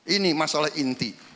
ini masalah inti